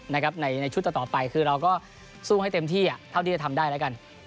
ในชุดต่อไปคือเราก็สู้ให้เต็มที่เท่าที่จะทำได้แล้วกัน